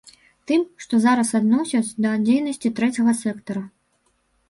Тым, што зараз адносяць да дзейнасці трэцяга сектара.